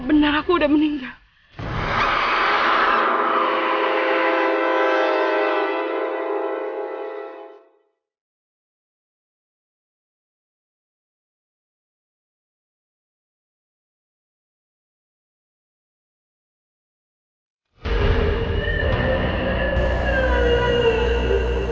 oh benar aku udah meninggal